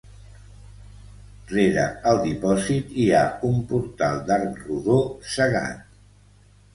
Rere el dipòsit, hi ha un portal d'arc rodó cegat.